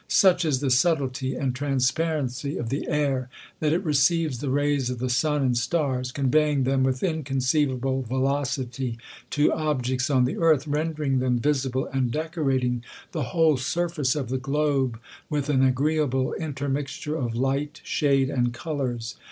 Such is the subtilty and transparency of the air, that it receives the rays of the sun and stars, con veying them with inconceivable velocity to objects on the earth, rendering them visible, and decorating the whole 200 THE COLUxMBIAN ORATOR. whole surface of the globe with aa agreeable inter mixture of light, shade, and colours.